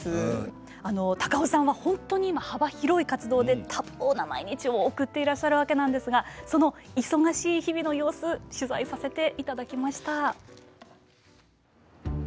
高尾さんは本当に今幅広い活動で多忙な毎日を送っていらっしゃるわけなんですがその忙しい日々の様子取材させていただきました。